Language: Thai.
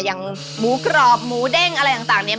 อย่างหมูกรอบหมูเด้งอะไรต่างเนี่ย